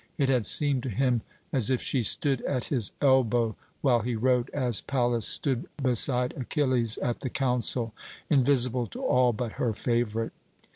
It had seemed to him as if she stood at his elbow while he wrote, as Pallas stood beside Achilles at the council, invisible to all but her favourite.